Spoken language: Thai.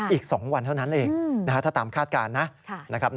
อีก๒วันเท่านั้นเองถ้าตามคาดการณ์นะครับ